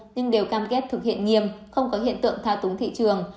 nhưng đều cam kết thực hiện nghiêm không có hiện tượng thao túng thị trường